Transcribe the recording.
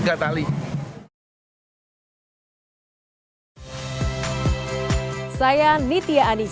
tapi bagaimanakah kehadiran masyarakat dari itu ini adalah hal hal yang terasa dengan orang orang